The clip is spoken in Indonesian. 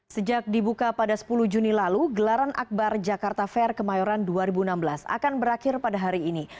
sejak dibuka pada sepuluh juni lalu gelaran akbar jakarta fair kemayoran dua ribu enam belas akan berakhir pada hari ini